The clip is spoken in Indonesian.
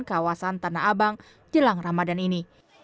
kawasan tanah abang jelang ramadan ini